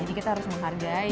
jadi kita harus menghargain